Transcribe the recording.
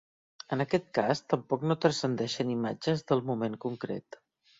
En aquest cas tampoc no transcendeixen imatges del moment concret.